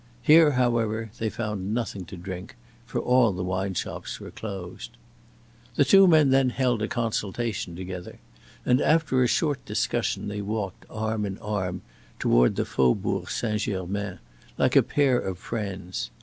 Here, however, they found nothing to drink; for all the wine shops were closed. The two men then held a consultation together, and, after a short discussion, they walked arm in arm toward the Faubourg Saint Germain, like a pair of friends.